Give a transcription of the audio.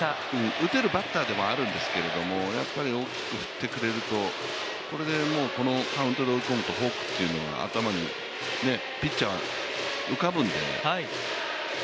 打てるバッターでもあるんですけど大きく振ってくれると、これでカウントで追い込むとフォークっていうのはピッチャーは頭に浮かぶんでね。